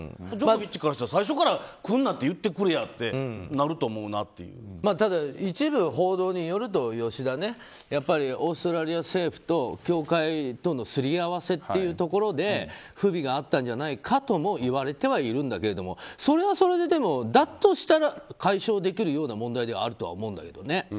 ジョコビッチからしたら最初からくんなってただ一部報道によると、吉田オーストラリア政府と協会とのすり合わせというところで不備があったんじゃないかとも言われてはいるんだけれどもそれはそれで、だとしたら解消できるような問題ではあると思うんだけど。